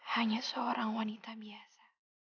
hanya seorang wanita biasa